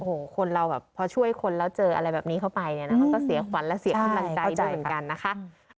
โอ้โหคนเราแบบพอช่วยคนแล้วเจออะไรแบบนี้เข้าไปเนี่ยนะมันก็เสียขวัญและเสียกำลังใจด้วยเหมือนกันนะคะ